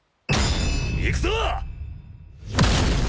行くぞ！